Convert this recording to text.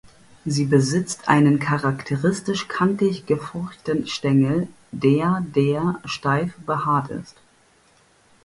Sie besitzt einen charakteristisch kantig gefurchten Stängel, der der steif behaart ist.